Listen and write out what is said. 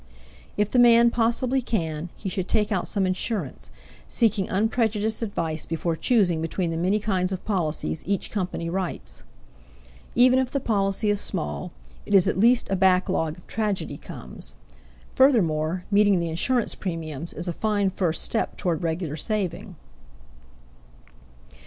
If the man possibly can, he should take out some insurance, seeking unprejudiced advice before choosing between the many kinds of policies each company writes. Even if the policy is small, it is at least a back log if tragedy comes; furthermore, meeting the insurance premiums is a fine first step toward regular saving.